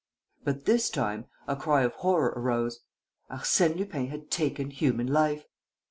But, this time, a cry of horror arose. Arsène Lupin had taken human life!